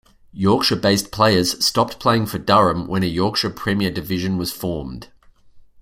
Yorkshire-based players stopped playing for Durham when a Yorkshire Premier division was formed.